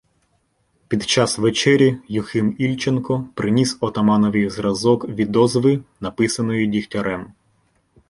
Підчас вечері Юхим Ільченко приніс отаманові зразок відозви, написаної Дігтярем.